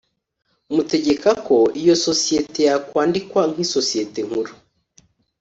mutegeka ko iyo sosiyete yakwandikwa nk isosiyete nkuru.